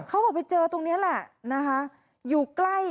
เขาบอกไปเจอตรงเนี้ยแหละนะคะ